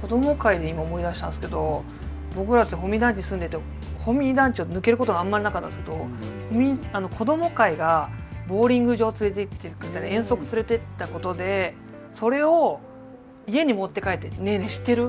子ども会で今思い出したんですけど僕らって保見団地住んでて保見団地を抜けることがあんまりなかったんですけど子ども会がボウリング場連れて行ってくれたり遠足連れて行ったことでそれを家に持って帰って「ねえねえ知ってる？